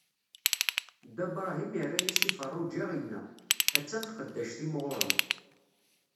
Dda Bṛahim irra-as i Feṛṛuǧa, inna: a-tt-an tqeddact-im ɣur-m.